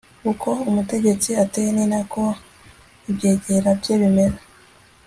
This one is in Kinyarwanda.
uko umutegetsi ateye, ni na ko ibyegera bye bimera